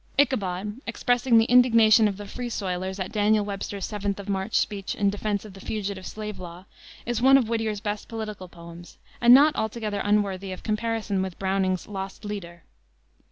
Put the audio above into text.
Ichabod, expressing the indignation of the Free Soilers at Daniel Webster's seventh of March speech in defense of the Fugitive Slave Law, is one of Whittier's best political poems, and not altogether unworthy of comparison with Browning's Lost Leader.